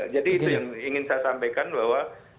jadi itu yang ingin saya sampaikan bahwa